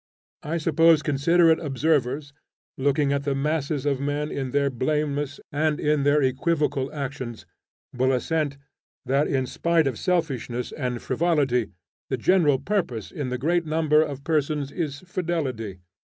I suppose considerate observers, looking at the masses of men in their blameless and in their equivocal actions, will assent, that in spite of selfishness and frivolity, the general purpose in the great number of persons is fidelity.